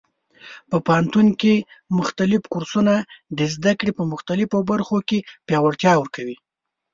په پوهنتون کې مختلف کورسونه د زده کړې په مختلفو برخو کې پیاوړتیا ورکوي.